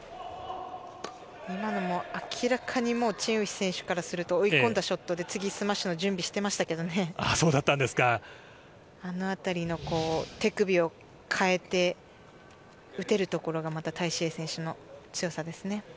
今のも明らかにチン・ウヒ選手からすると追い込んだショットで次、スマッシュの準備をしていあのあたりの手首を変えて、打てるところがまたタイ・シエイ選手の強さですね。